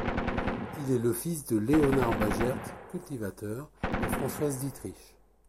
Il est le fils de Léonard Bagert, cultivateur, et Françoise Dietrich.